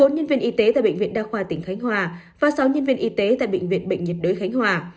bốn nhân viên y tế tại bệnh viện đa khoa tỉnh khánh hòa và sáu nhân viên y tế tại bệnh viện bệnh nhiệt đới khánh hòa